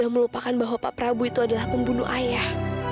yang melupakan bahwa pak prabowo itu adalah pembunuh ayah